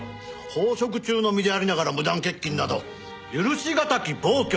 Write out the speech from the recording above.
奉職中の身でありながら無断欠勤など許しがたき暴挙。